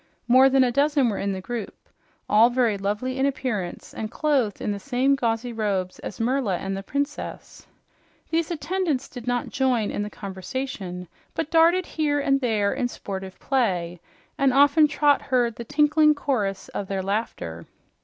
More than a dozen were in the group; all were lovely in appearance and clothed in the same gauzy robes as Merla and the Princess. These attendants did not join in the conversation but darted here and there in sportive play, and often Trot heard the tinkling chorus of their laughter.